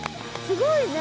すごいね。